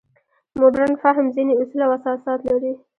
مډرن فهم ځینې اصول او اساسات لري.